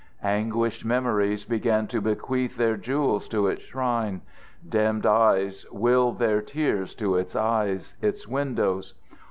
Anguished memories begin to bequeath their jewels to its shrine; dimmed eyes will their tears to its eyes, its windows.